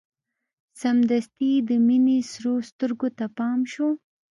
سمدستي يې د مينې سرو سترګو ته پام شو.